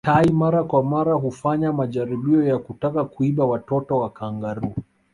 Tai mara kwa mara hufanya majaribio ya kutaka kuiba watoto wa kangaroo